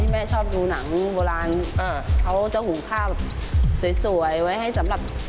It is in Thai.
ไม่ใช่ใช่ไหมครับ